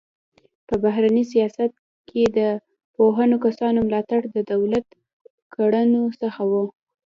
په بهرني سیاست کې د پوهو کسانو ملاتړ د دولت کړنو څخه و.